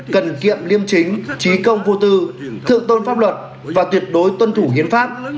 cần kiệm liêm chính trí công vô tư thượng tôn pháp luật và tuyệt đối tuân thủ hiến pháp